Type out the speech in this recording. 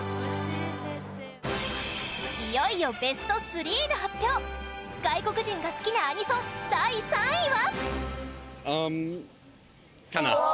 いよいよ、ベスト３の発表外国人が好きなアニソン第３位は？